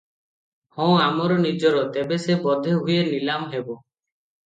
ହଁ ଆମର ନିଜର- ତେବେ ସେ ବୋଧେ ହୁଏ ନିଲାମ ହେବ ।